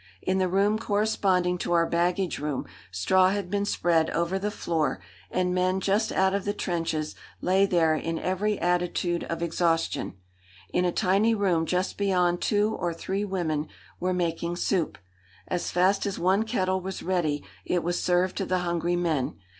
In the room corresponding to our baggage room straw had been spread over the floor, and men just out of the trenches lay there in every attitude of exhaustion. In a tiny room just beyond two or three women were making soup. As fast as one kettle was ready it was served to the hungry men.